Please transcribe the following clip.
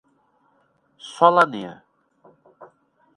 Solânea